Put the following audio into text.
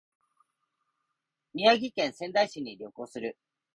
宮城県仙台市に旅行する